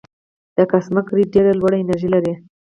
د کاسمک رې ډېره لوړه انرژي لري.